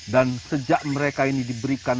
dan sejak mereka ini diberikan hutan ini